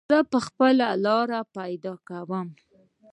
ژبه به خپله لاره پیدا کوي.